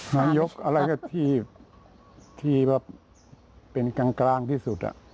นายกอะไรก็ที่แบบเป็นกลางที่สุด